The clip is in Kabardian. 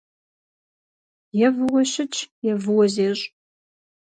Е выуэ щытщ, е выуэ зещӏ.